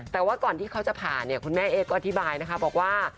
แต่ว่าก่อนที่เขาจะผ่าเนี่ยคุณแม่เอ๊ก็อธิบายนะคะบอกว่า